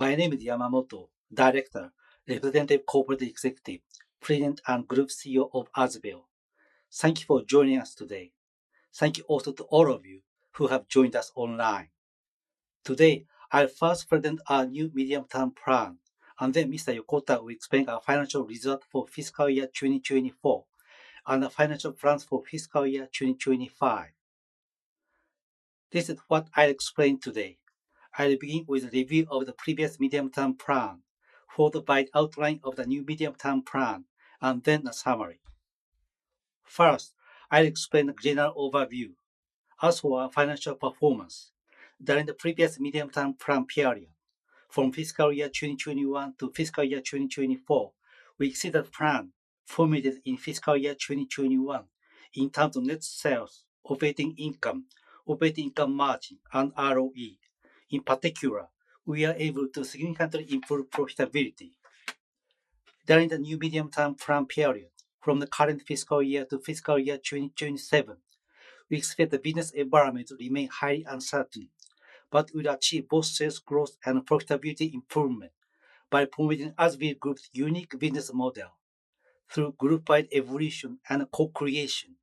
My name is Yamamoto, Director, Representative Corporate Executive, President, and Group CEO of Azbil. Thank you for joining us today. Thank you also to all of you who have joined us online. Today, I'll first present our new medium-term plan, and then Mr. Yokota will explain our financial result for fiscal year 2024 and the financial plans for fiscal year 2025. This is what I'll explain today. I'll begin with a review of the previous medium-term plan, followed by the outline of the new medium-term plan, and then a summary. First, I'll explain the general overview. As for our financial performance during the previous medium-term plan period, from fiscal year 2021 to fiscal year 2024, we exceeded the plan formulated in fiscal year 2021 in terms of net sales, operating income, operating income margin, and ROE. In particular, we are able to significantly improve profitability. During the new medium-term plan period, from the current fiscal year to fiscal year 2027, we expect the business environment to remain highly uncertain, but we'll achieve both sales growth and profitability improvement by promoting Azbil Group's unique business model through group-wide evolution and co-creation.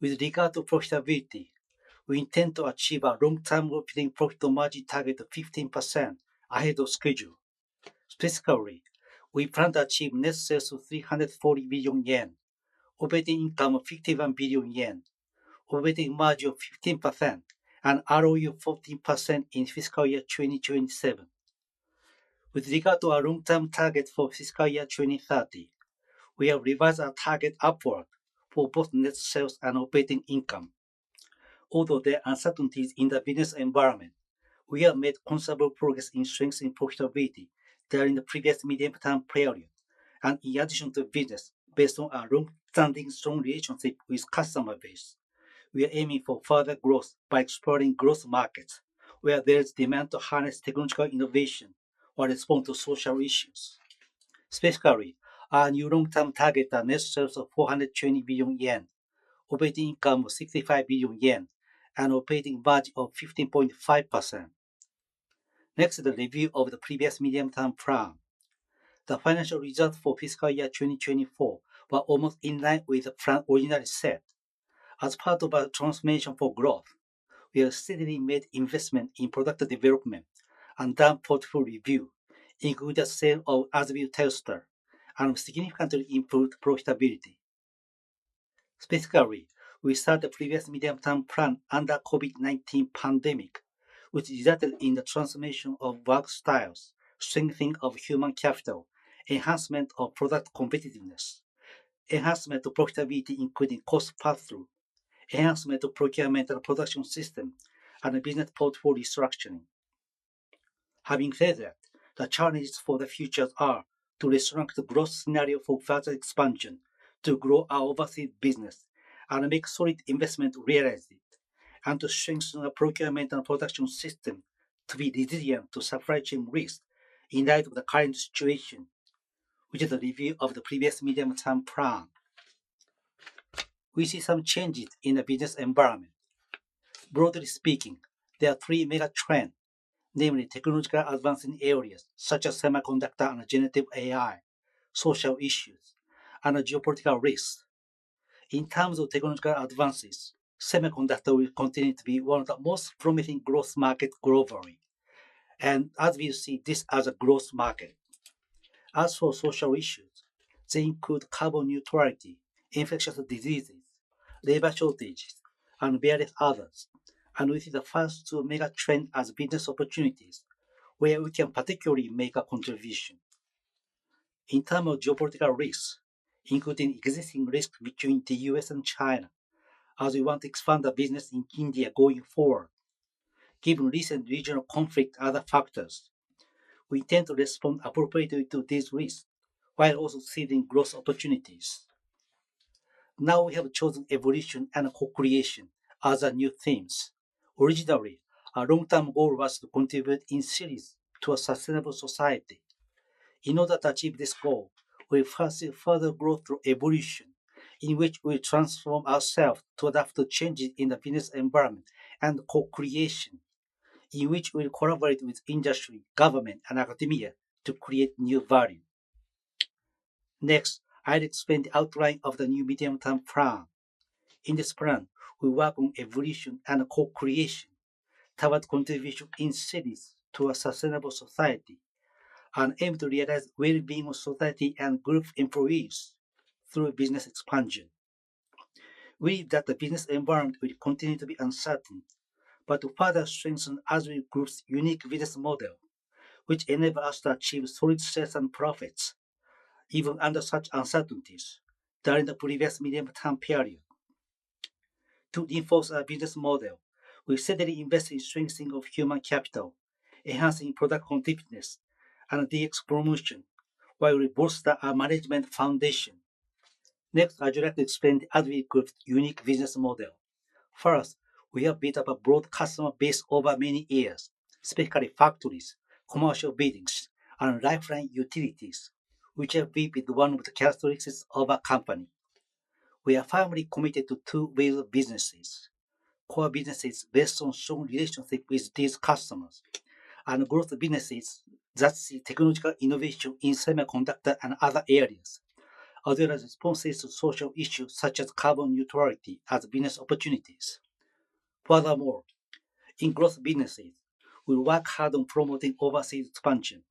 With regard to profitability, we intend to achieve a long-term operating profit margin target of 15% ahead of schedule. Specifically, we plan to achieve net sales of 340 billion yen, operating income of 51 billion yen, operating margin of 15%, and ROE of 14% in fiscal year 2027. With regard to our long-term target for fiscal year 2030, we have revised our target upward for both net sales and operating income. Although there are uncertainties in the business environment, we have made considerable progress in strengths in profitability during the previous medium-term period, and in addition to business, based on our long-standing strong relationship with customer base, we are aiming for further growth by exploring growth markets where there is demand to harness technological innovation or respond to social issues. Specifically, our new long-term target are net sales of 420 billion yen, operating income of 65 billion yen, and operating margin of 15.5%. Next is the review of the previous medium-term plan. The financial result for fiscal year 2024 was almost in line with the plan originally set. As part of our transformation for growth, we have steadily made investment in product development and done portfolio review, including the sale of Azbil Telstar, and significantly improved profitability. Specifically, we started the previous medium-term plan under the COVID-19 pandemic, which resulted in the transformation of work styles, strengthening of human capital, enhancement of product competitiveness, enhancement of profitability including cost pass-through, enhancement of procurement and production system, and business portfolio structuring. Having said that, the challenges for the future are to restrict the growth scenario for further expansion, to grow our overseas business and make solid investment realities, and to strengthen our procurement and production system to be resilient to supply chain risks in light of the current situation. Which is the review of the previous medium-term plan. We see some changes in the business environment. Broadly speaking, there are three mega trends, namely technological advancing areas such as semiconductor and generative AI, social issues, and geopolitical risks. In terms of technological advances, semiconductor will continue to be one of the most promising growth markets globally, and Azbil sees this as a growth market. As for social issues, they include carbon neutrality, infectious diseases, labor shortages, and various others, and we see the first two mega trends as business opportunities where we can particularly make a contribution. In terms of geopolitical risks, including existing risks between the U.S. and China, as we want to expand our business in India going forward. Given recent regional conflict and other factors, we intend to respond appropriately to these risks while also seizing growth opportunities. Now we have chosen evolution and co-creation as our new themes. Originally, our long-term goal was to contribute in series to a sustainable society. In order to achieve this goal, we will first see further growth through evolution, in which we will transform ourselves to adapt to changes in the business environment and co-creation, in which we will collaborate with industry, government, and academia to create new value. Next, I'll explain the outline of the new medium-term plan. In this plan, we work on evolution and co-creation, targeted contribution in series to a sustainable society, and aim to realize the well-being of society and group employees through business expansion. We believe that the business environment will continue to be uncertain, but to further strengthen Azbil Group's unique business model, which enables us to achieve solid sales and profits even under such uncertainties during the previous medium-term period. To reinforce our business model, we steadily invest in strengthening of human capital, enhancing product continuousness and DX promotion, while we bolster our management foundation. Next, I'd like to explain the Azbil Group's unique business model. First, we have built up a broad customer base over many years, specifically factories, commercial buildings, and lifeline utilities, which have been one of the characteristics of our company. We are firmly committed to two ways of businesses: core businesses based on strong relationships with these customers, and growth businesses that see technological innovation in semiconductor and other areas, as well as responses to social issues such as carbon neutrality as business opportunities. Furthermore, in growth businesses, we work hard on promoting overseas expansion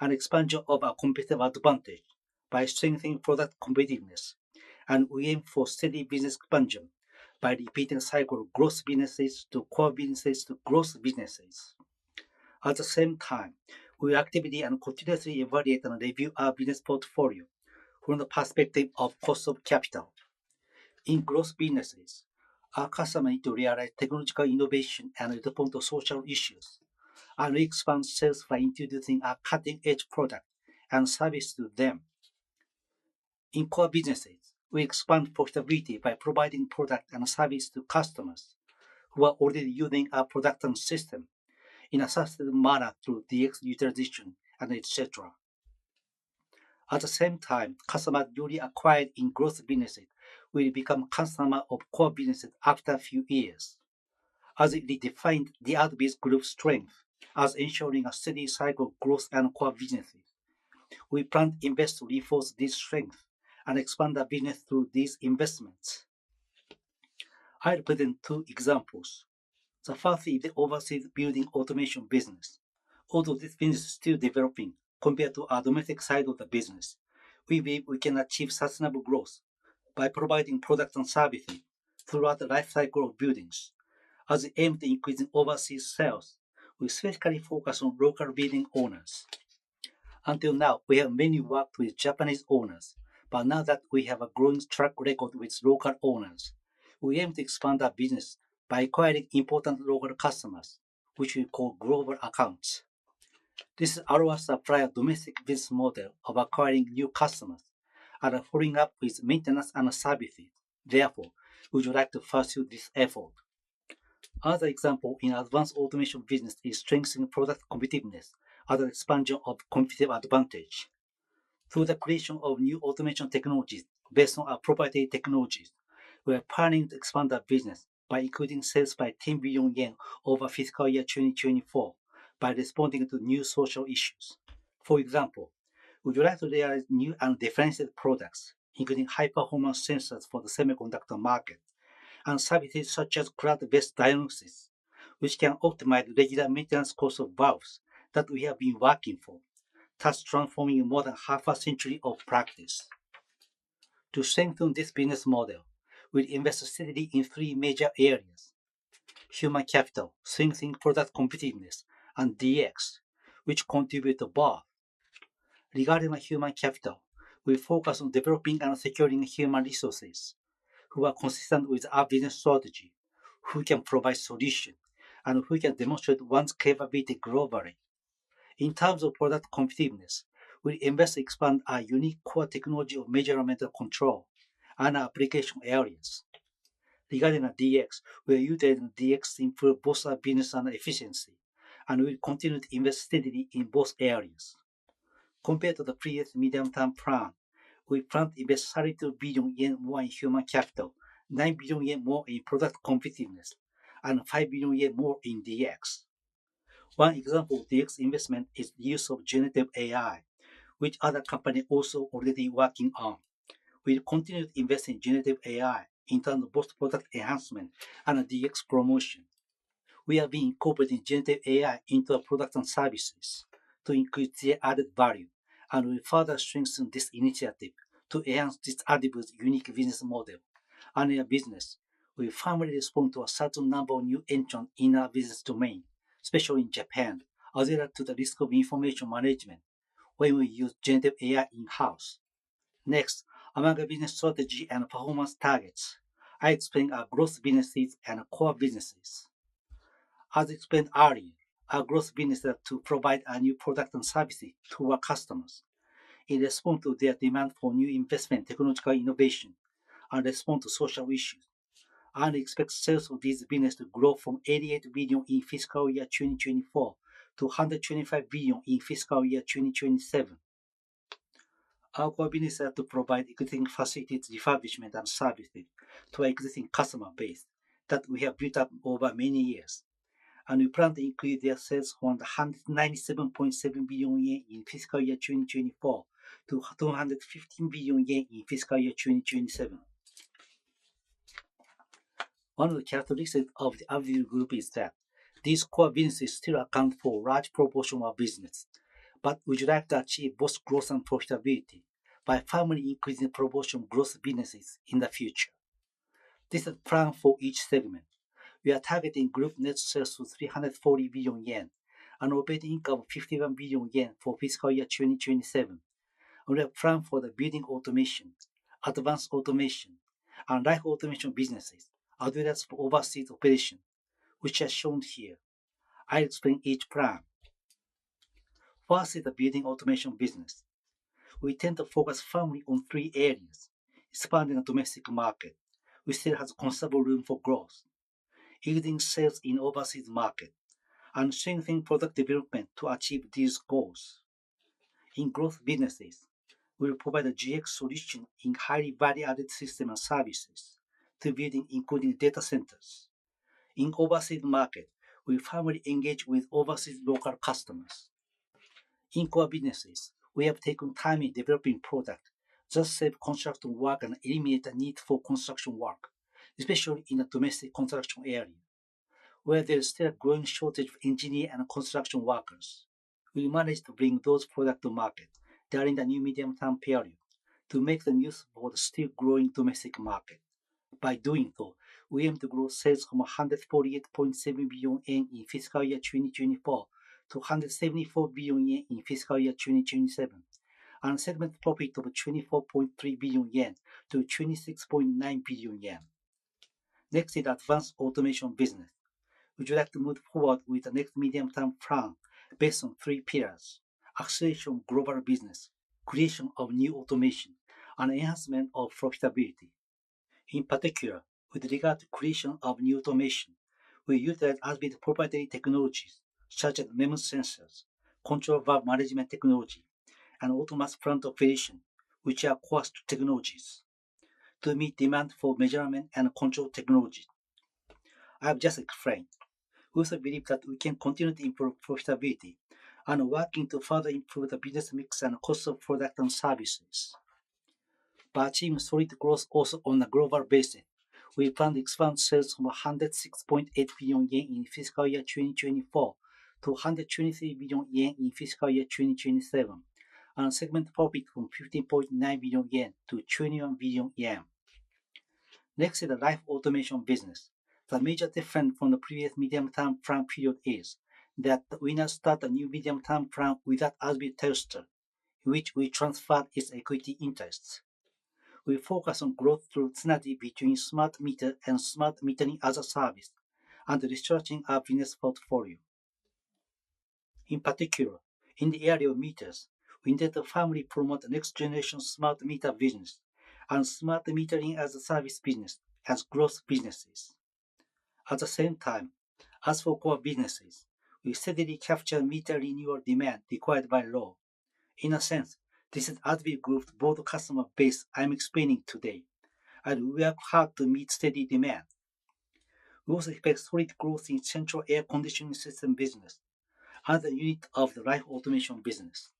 and expansion of our competitive advantage by strengthening product competitiveness, and we aim for steady business expansion by repeating the cycle of growth businesses to core businesses to growth businesses. At the same time, we actively and continuously evaluate and review our business portfolio from the perspective of cost of capital. In growth businesses, our customers need to realize technological innovation and respond to social issues, and we expand sales by introducing our cutting-edge product and service to them. In core businesses, we expand profitability by providing product and service to customers who are already using our product and system in a sustainable manner through DX utilization, and etc. At the same time, customers newly acquired in growth businesses will become customers of core businesses after a few years. As it redefined the Azbil Group's strength as ensuring a steady cycle of growth and core businesses, we plan to invest to reinforce this strength and expand our business through these investments. I'll present two examples. The first is the overseas building automation business. Although this business is still developing compared to our domestic side of the business, we believe we can achieve sustainable growth by providing product and services throughout the lifecycle of buildings. As we aim to increase overseas sales, we specifically focus on local building owners. Until now, we have mainly worked with Japanese owners, but now that we have a growing track record with local owners, we aim to expand our business by acquiring important local customers, which we call global accounts. This allows us to apply our domestic business model of acquiring new customers and following up with maintenance and services. Therefore, we would like to pursue this effort. Another example in Advanced Automation business is strengthening product competitiveness as an expansion of competitive advantage. Through the creation of new automation technologies based on our proprietary technologies, we are planning to expand our business by including sales by 10 billion yen over fiscal year 2024 by responding to new social issues. For example, we would like to realize new and differentiated products, including high-performance sensors for the semiconductor market and services such as crowd-based diagnosis, which can optimize the regular maintenance cost of valves that we have been working for, thus transforming more than half a century of practice. To strengthen this business model, we invest steadily in three major areas: human capital, strengthening product competitiveness, and DX, which contribute to both. Regarding human capital, we focus on developing and securing human resources who are consistent with our business strategy, who can provide solutions, and who can demonstrate one's capability globally. In terms of product competitiveness, we invest to expand our unique core technology of measurement and control and our application areas. Regarding DX, we are using DX to improve both our business and efficiency, and we will continue to invest steadily in both areas. Compared to the previous medium-term plan, we plan to invest 32 billion yen more in human capital, 9 billion yen more in product competitiveness, and 5 billion yen more in DX. One example of DX investment is the use of generative AI, which other companies are also already working on. We will continue to invest in generative AI in terms of both product enhancement and DX promotion. We have been incorporating generative AI into our products and services to increase their added value, and we will further strengthen this initiative to enhance this Azbil's unique business model. Under our business, we will firmly respond to a certain number of new entrants in our business domain, especially in Japan, as well as to the risk of information management when we use generative AI in-house. Next, among our business strategy and performance targets, I'll explain our growth businesses and core businesses. As explained earlier, our growth business is to provide our new products and services to our customers in response to their demand for new investment, technological innovation, and respond to social issues. We expect sales of these businesses to grow from 88 billion in fiscal year 2024 to 125 billion in fiscal year 2027. Our core business is to provide existing facilities, refurbishment, and services to our existing customer base that we have built up over many years. We plan to increase their sales from 197.7 billion yen in fiscal year 2024 to 215 billion yen in fiscal year 2027. One of the characteristics of the Azbil Group is that these core businesses still account for a large proportion of our business, but we would like to achieve both growth and profitability by firmly increasing the proportion of growth businesses in the future. This is the plan for each segment. We are targeting group net sales of 340 billion yen and operating income of 51 billion yen for fiscal year 2027. We have planned for the building automation, advanced automation, and life automation businesses, as well as overseas operations, which are shown here. I'll explain each plan. First is the building automation business. We tend to focus firmly on three areas: expanding our domestic market, which still has considerable room for growth, increasing sales in overseas markets, and strengthening product development to achieve these goals. In growth businesses, we will provide a GX Solution in highly value-added systems and services to buildings, including data centers. In overseas market, we will firmly engage with overseas local customers. In core businesses, we have taken time in developing products just to save construction work and eliminate the need for construction work, especially in the domestic construction area. Where there is still a growing shortage of engineers and construction workers, we managed to bring those products to market during the new medium-term period to make them useful for the still growing domestic market. By doing so, we aim to grow sales from 148.7 billion in fiscal year 2024 to 174 billion in fiscal year 2027, and segment profit of 24.3 billion yen to 26.9 billion yen. Next is the Advanced Automation business. We would like to move forward with the next medium-term plan based on three pillars: acceleration of global business, creation of new automation, and enhancement of profitability. In particular, with regard to creation of new automation, we utilize Azbil's proprietary technologies such as flow sensors, control valve management technology, and automatic plant operation, which are core technologies, to meet demand for measurement and control technologies. I have just explained. We also believe that we can continue to improve profitability and are working to further improve the business mix and cost of product and services. By achieving solid growth also on a global basis, we plan to expand sales from 106.8 billion yen in fiscal year 2024 to 123 billion yen in fiscal year 2027, and segment profit from 15.9 billion yen to 21 billion yen. Next is the life automation business. The major difference from the previous medium-term plan period is that we now start a new medium-term plan without Azbil Telstar, in which we transfer its equity interests. We focus on growth through synergy between smart meter and smart metering as a service and researching our business portfolio. In particular, in the area of meters, we intend to firmly promote next-generation smart meter business and smart metering as a service business as growth businesses. At the same time, as for core businesses, we steadily capture meter renewal demand required by law. In a sense, this is Azbil Group's broad customer base I'm explaining today, and we work hard to meet steady demand. We also expect solid growth in central air conditioning system business and the unit of the life automation business.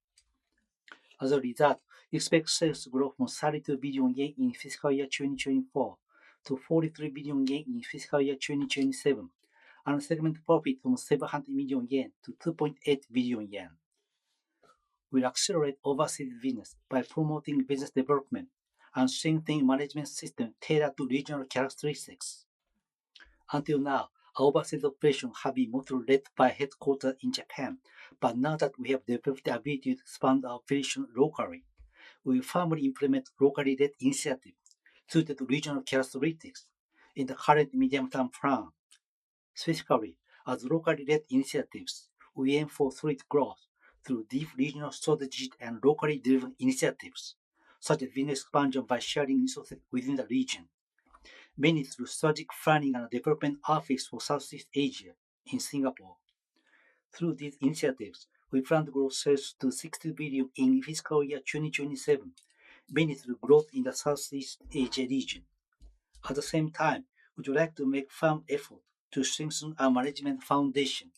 As a result, we expect sales to grow from 32 billion yen in fiscal year 2024 to 43 billion yen in fiscal year 2027, and segment profit from 700 million yen to 2.8 billion yen. We will accelerate overseas business by promoting business development and strengthening management systems tailored to regional characteristics. Until now, our overseas operations have been mostly led by headquarters in Japan, but now that we have developed the ability to expand our operations locally, we will firmly implement locally-led initiatives suited to regional characteristics in the current medium-term plan. Specifically, as locally-led initiatives, we aim for solid growth through deep regional strategies and locally-driven initiatives, such as business expansion by sharing resources within the region, mainly through the strategic planning and development office for Southeast Asia in Singapore. Through these initiatives, we plan to grow sales to 62 billion in fiscal year 2027, mainly through growth in the Southeast Asia region. At the same time, we would like to make firm efforts to strengthen our management foundation.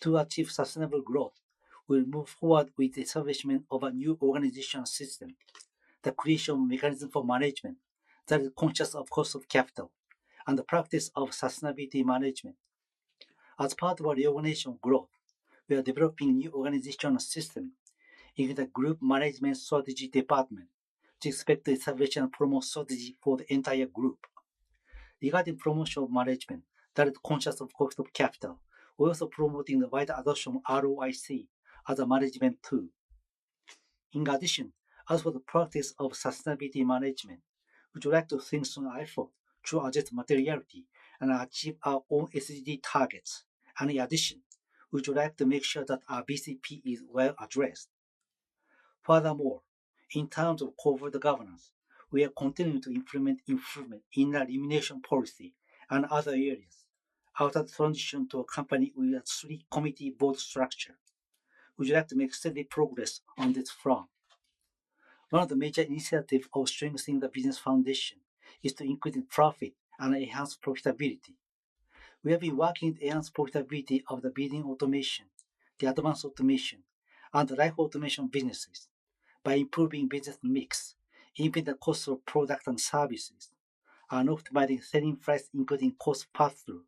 To achieve sustainable growth, we will move forward with the establishment of a new organizational system, the creation of a mechanism for management that is conscious of cost of capital, and the practice of sustainability management. As part of our reorganization growth, we are developing a new organizational system in the Group Management Strategy Department to expect the establishment of a promotional strategy for the entire group. Regarding promotion of management that is conscious of cost of capital, we are also promoting the wider adoption of ROIC as a management tool. In addition, as for the practice of sustainability management, we would like to strengthen our efforts to address materiality and achieve our own SDG targets. We would like to make sure that our BCP is well addressed. Furthermore, in terms of corporate governance, we are continuing to implement improvements in elimination policy and other areas. After the transition to a company with a three-committee board structure, we would like to make steady progress on this front. One of the major initiatives of strengthening the business foundation is to increase profit and enhance profitability. We have been working to enhance profitability of the Building Automation, the Advanced Automation, and the Life Automation businesses by improving business mix, improving the cost of products and services, and optimizing selling price, including cost pass-through.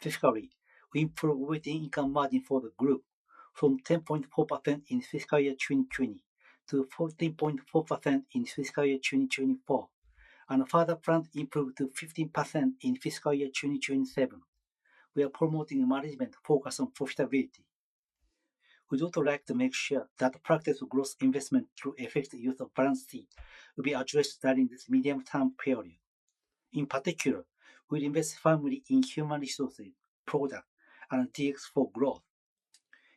Fiscally, we improved operating income margin for the group from JPY 10.4% in fiscal year 2020 to JPY 14.4% in fiscal year 2024, and further planned improvement to JPY 15% in fiscal year 2027. We are promoting a management focus on profitability. We would also like to make sure that the practice of growth investment through effective use of balance sheet will be addressed during this medium-term period. In particular, we will invest firmly in human resources, products, and DX for growth.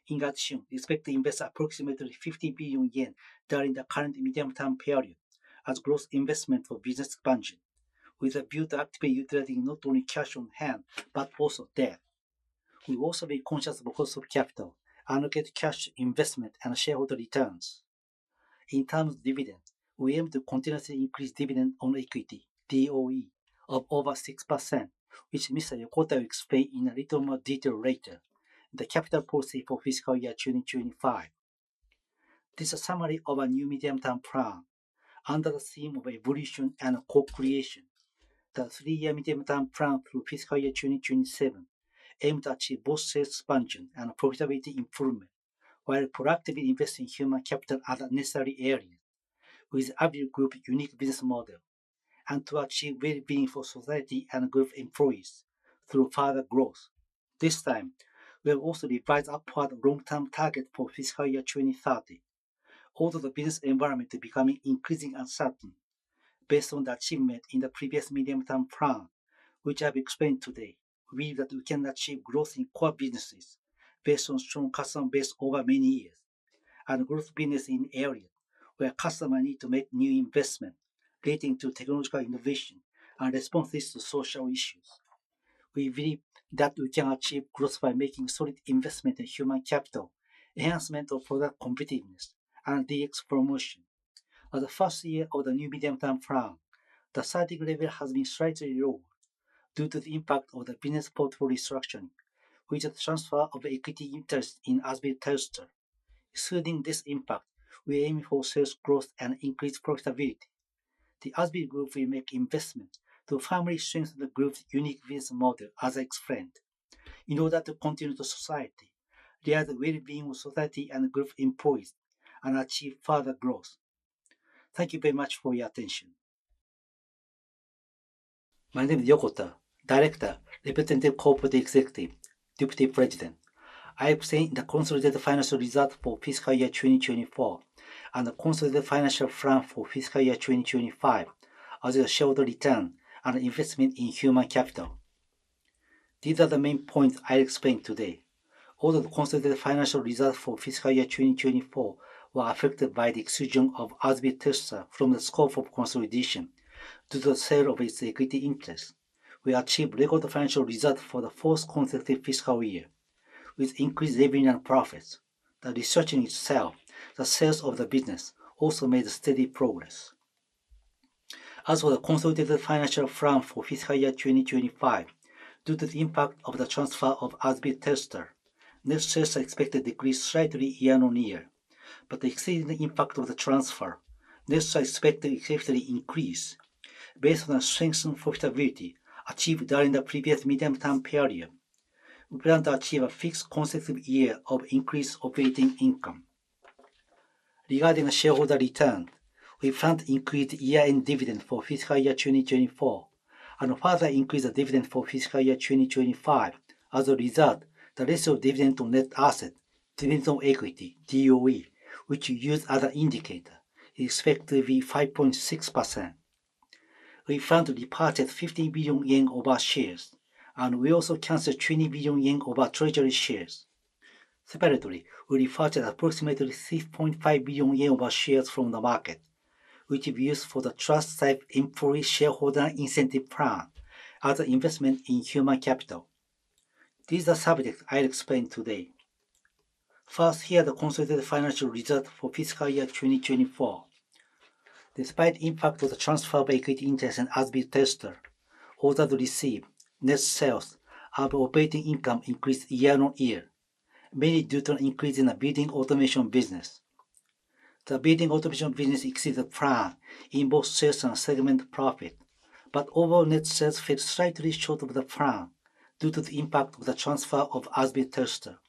In addition, we expect to invest approximately 50 billion yen during the current medium-term period as growth investment for business expansion, with a view to actively utilizing not only cash on hand but also debt. We will also be conscious of cost of capital and look at cash investment and shareholder returns. In terms of dividends, we aim to continuously increase dividend on equity (DOE) of over 6%, which Mr. Yokota will explain in a little more detail later in the capital policy for fiscal year 2025. This is a summary of our new medium-term plan. Under the theme of evolution and co-creation, the three-year medium-term plan through fiscal year 2027 aims to achieve both sales expansion and profitability improvement while proactively investing human capital at the necessary areas with Azbil Group's unique business model and to achieve well-being for society and group employees through further growth. This time, we have also revised upward long-term targets for fiscal year 2030. Although the business environment is becoming increasingly uncertain, based on the achievement in the previous medium-term plan, which I've explained today, we believe that we can achieve growth in core businesses based on strong customer base over many years and growth businesses in areas where customers need to make new investments leading to technological innovation and responses to social issues. We believe that we can achieve growth by making solid investment in human capital, enhancement of product competitiveness, and DX promotion. As the first year of the new medium-term plan, the strategic level has been slightly lower due to the impact of the business portfolio structuring, which is the transfer of equity interests in Azbil Telstar. Excluding this impact, we aim for sales growth and increased profitability. The Azbil Group will make investments to firmly strengthen the group's unique business model, as I explained, in order to contribute to society, realize the well-being of society and group employees, and achieve further growth. Thank you very much for your attention. My name is Yokota, Director, Representative Corporate Executive, Deputy President. I have seen the consolidated financial result for fiscal year 2024 and the consolidated financial plan for fiscal year 2025 as a shareholder return and investment in human capital. These are the main points I'll explain today. Although the consolidated financial result for fiscal year 2024 was affected by the exclusion of Azbil Telstar from the scope of consolidation due to the sale of its equity interests, we achieved record financial results for the fourth consecutive fiscal year with increased revenue and profits. The research in itself, the sales of the business, also made steady progress. As for the consolidated financial plan for fiscal year 2025, due to the impact of the transfer of Azbil Telstar, net sales are expected to decrease slightly year on year, but the exceeding impact of the transfer, net sales are expected to excellently increase based on the strengthened profitability achieved during the previous medium-term period. We plan to achieve a fixed consecutive year of increase of waiting income. Regarding the shareholder return, we plan to increase year-end dividend for fiscal year 2024 and further increase the dividend for fiscal year 2025. As a result, the ratio of dividend to net asset dividend to equity (DOE), which we use as an indicator, is expected to be 5.6%. We plan to repurchase 50 billion yen over shares, and we also cancel 20 billion yen over treasury shares. Separately, we repurchase approximately 3.5 billion yen over shares from the market, which we use for the Trust Save Employee Shareholder Incentive Plan as an investment in human capital. These are the subjects I'll explain today. First, here are the consolidated financial results for fiscal year 2024. Despite the impact of the transfer of equity interests and Azbil Telstar, although the received, net sales, and operating income increased year on year, mainly due to an increase in the building automation business. The building automation business exceeded plan in both sales and segment profit, but overall net sales fell slightly short of the plan due to the impact of the transfer of Azbil Telstar.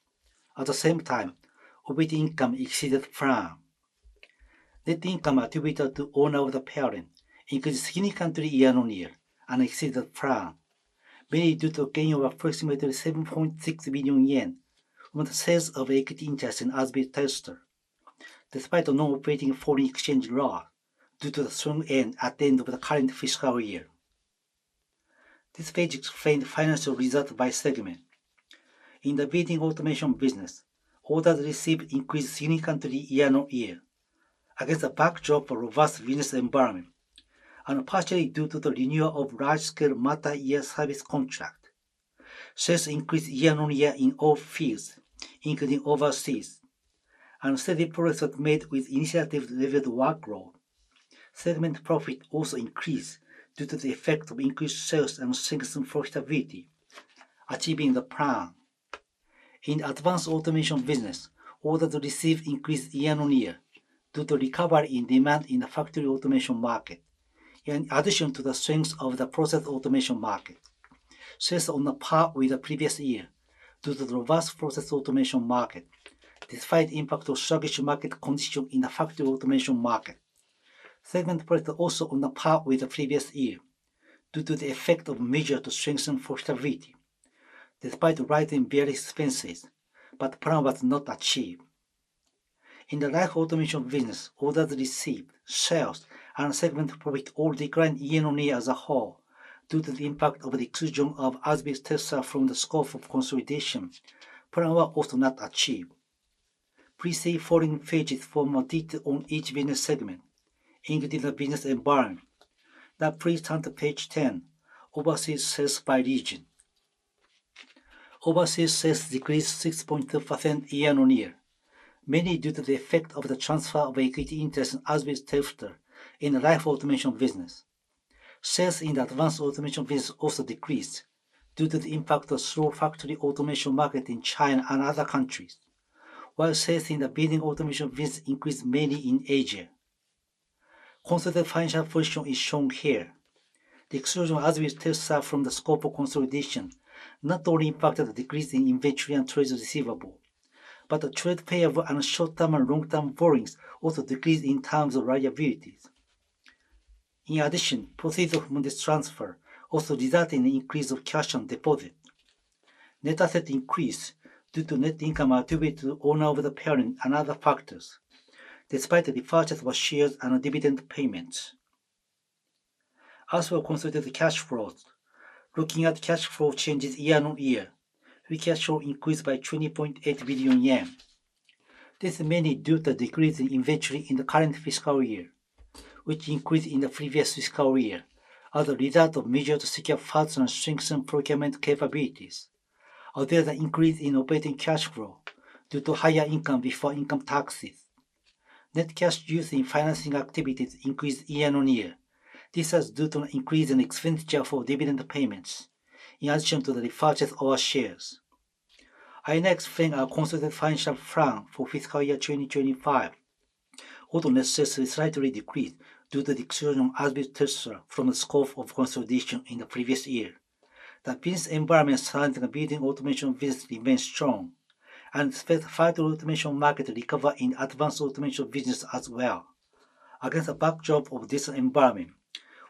At the same time, operating income exceeded plan. Net income attributed to owner of the parent increased significantly year on year and exceeded plan, mainly due to a gain of approximately 7.6 billion yen from the sales of equity interests in Azbil Telstar, despite non-operating foreign exchange loss due to the strong end at the end of the current fiscal year. This page explains the financial result by segment. In the building automation business, orders received increased significantly year on year against a backdrop of a robust business environment, and partially due to the renewal of large-scale multi-year service contracts. Sales increased year on year in all fields, including overseas, and steady progress was made with initiative-driven workload. Segment profit also increased due to the effect of increased sales and strengthened profitability, achieving the plan. In the advanced automation business, orders received increased year on year due to recovery in demand in the factory automation market, in addition to the strength of the process automation market. Sales are on par with the previous year due to the robust process automation market, despite the impact of struggling market conditions in the factory automation market. Segment profit is also on par with the previous year due to the effect of measures to strengthen profitability, despite rising bill expenses, but the plan was not achieved. In the life automation business, orders received, sales, and segment profit all declined year on year as a whole due to the impact of the exclusion of Azbil Telstar from the scope of consolidation. Plan was also not achieved. Please see the following pages for more detail on each business segment, including the business environment. Now, please turn to page 10, overseas sales by region. Overseas sales decreased 6.2% year on year, mainly due to the effect of the transfer of equity interests in Azbil Telstar in the life automation business. Sales in the advanced automation business also decreased due to the impact of the slow factory automation market in China and other countries, while sales in the building automation business increased mainly in Asia. Consolidated financial position is shown here. The exclusion of Azbil Telstar from the scope of consolidation not only impacted the decrease in inventory and treasury receivable, but the trade payable and short-term and long-term borrowings also decreased in terms of liabilities. In addition, proceeds of monetary transfer also resulted in the increase of cash on deposit. Net asset increase due to net income attributed to owner of the parent and other factors, despite the repurchase of shares and dividend payments. As for consolidated cash flows, looking at cash flow changes year on year, we can show an increase by 20.8 billion yen. This is mainly due to the decrease in inventory in the current fiscal year, which increased in the previous fiscal year as a result of measures to secure funds and strengthen procurement capabilities. There is an increase in operating cash flow due to higher income before income taxes. Net cash used in financing activities increased year on year. This is due to an increase in expenditure for dividend payments, in addition to the repurchase of shares. I will now explain our consolidated financial plan for fiscal year 2025. Although net sales slightly decreased due to the exclusion of Azbil Telstar from the scope of consolidation in the previous year, the business environment surrounding the building automation business remains strong, and expect further automation market recovery in the advanced automation business as well. Against the backdrop of this environment,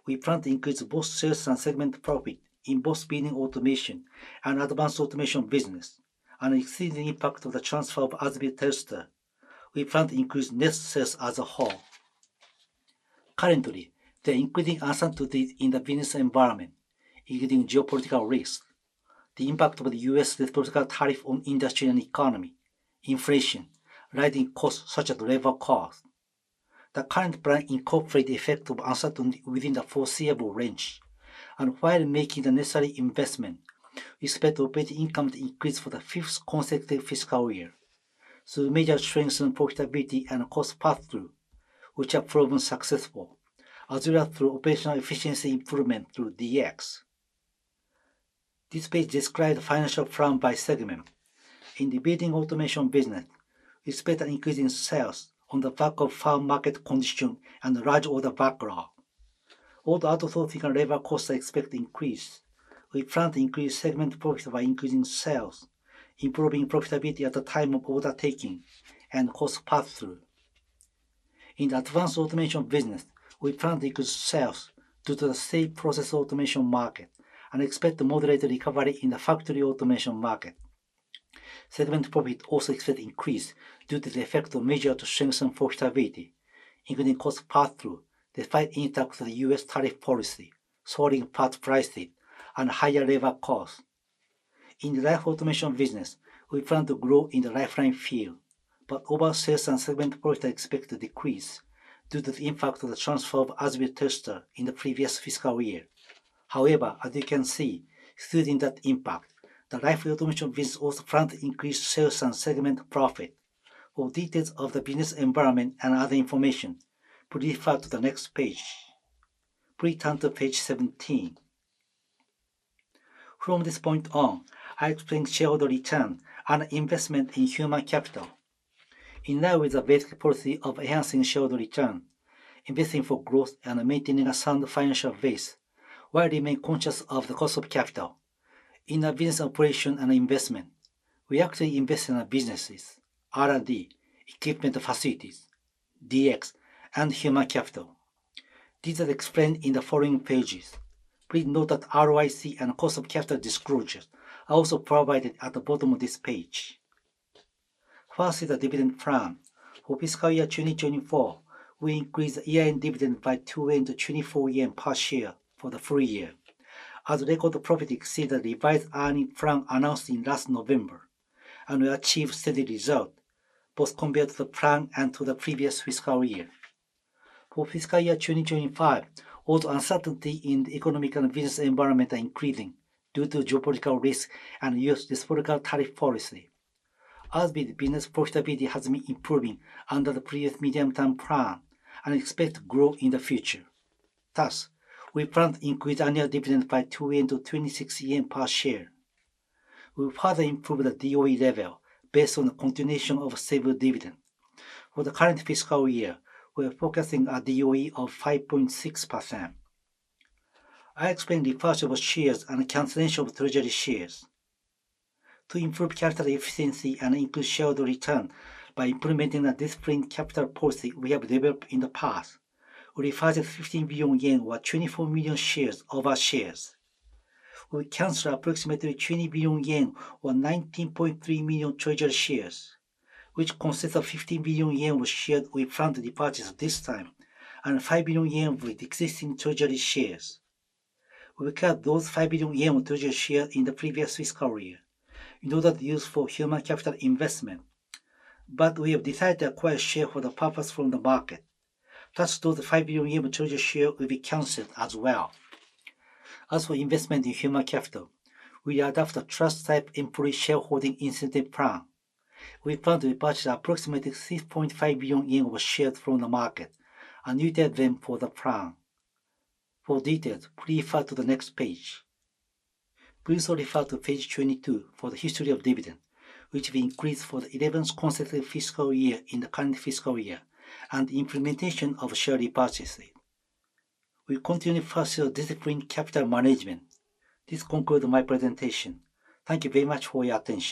we plan to increase both sales and segment profit in both building automation and advanced automation business, and exceeding the impact of the transfer of Azbil Telstar, we plan to increase net sales as a whole. Currently, there are increasing uncertainties in the business environment, including geopolitical risks, the impact of the U.S. diplomatic tariff on industry and economy, inflation, rising costs such as labor costs. The current plan incorporates the effect of uncertainty within the foreseeable range, and while making the necessary investment, we expect operating income to increase for the fifth consecutive fiscal year. Through major strengthened profitability and cost pass-through, which have proven successful, as well as through operational efficiency improvement through DX. This page describes the financial plan by segment. In the Building Automation business, we expect an increase in sales on the back of fair market conditions and large order backlog. Although other sources and labor costs expect increase, we plan to increase segment profit by increasing sales, improving profitability at the time of order taking and cost pass-through. In the Advanced Automation business, we plan to increase sales due to the steady process automation market and expect a moderate recovery in the factory automation market. Segment profit also expected to increase due to the effect of measures to strengthen profitability, including cost pass-through, despite impacts of the U.S. tariff policy, soaring part prices, and higher labor costs. In the life automation business, we plan to grow in the lifeline field, but overseas and segment profit are expected to decrease due to the impact of the transfer of Azbil Telstar in the previous fiscal year. However, as you can see, excluding that impact, the life automation business also planned to increase sales and segment profit. For details of the business environment and other information, please refer to the next page. Please turn to page 17. From this point on, I explain shareholder return and investment in human capital. In line with the basic policy of enhancing shareholder return, investing for growth and maintaining a sound financial base while remaining conscious of the cost of capital. In the business operation and investment, we actually invest in businesses, R&D, equipment facilities, DX, and human capital. These are explained in the following pages. Please note that ROIC and cost of capital disclosures are also provided at the bottom of this page. First is the dividend plan. For fiscal year 2024, we increased year-end dividend by 2.24 yen per share for the full year. As record profit exceeded the revised earnings plan announced in last November, and we achieved steady results both compared to the plan and to the previous fiscal year. For fiscal year 2025, although uncertainty in the economic and business environment is increasing due to geopolitical risks and U.S. diplomatic tariff policy, Azbil's business profitability has been improving under the previous medium-term plan and expect growth in the future. Thus, we plan to increase annual dividend by 2.26 yen per share. We will further improve the DOE level based on the continuation of stable dividend. For the current fiscal year, we are focusing a DOE of 5.6%. I explain the repurchase of shares and cancellation of treasury shares. To improve capital efficiency and increase shareholder return by implementing a disciplined capital policy we have developed in the past, we repurchased 15 billion yen worth 24 million shares of our shares. We canceled approximately 20 billion yen worth 19.3 million treasury shares, which consists of 15 billion yen worth shares we planned to repurchase this time and 5 billion yen worth existing treasury shares. We recovered those 5 billion yen worth treasury shares in the previous fiscal year in order to use for human capital investment, but we have decided to acquire shares for the purpose from the market. Thus, those 5 billion yen worth treasury shares will be canceled as well. As for investment in human capital, we adopt a Trust Save Employee Shareholding Incentive Plan. We plan to repurchase approximately 3.5 billion yen worth shares from the market and use them for the plan. For details, please refer to the next page. Please also refer to page 22 for the history of dividend, which we increased for the eleventh consecutive fiscal year in the current fiscal year and the implementation of share repurchase. We continue to pursue disciplined capital management. This concludes my presentation. Thank you very much for your attention.